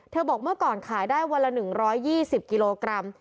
บอกเมื่อก่อนขายได้วันละ๑๒๐กิโลกรัม